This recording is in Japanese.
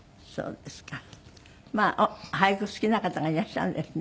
まあ俳句好きな方がいらっしゃるんですね。